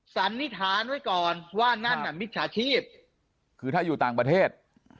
สันนิษฐานไว้ก่อนว่านั่นน่ะมิจฉาชีพคือถ้าอยู่ต่างประเทศ